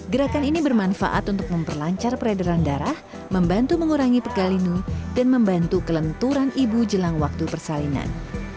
gerakan ini bermanfaat untuk memperlancar peredaran darah membantu mengurangi pegalinu dan membantu kelenturan ibu jelang waktu persalinan